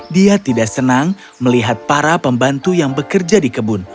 dia tidak senang melihat para pembantu yang bekerja di kebun